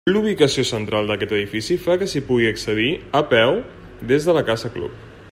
La ubicació central d'aquest edifici fa que s'hi pugui accedir a peu des de la casa club.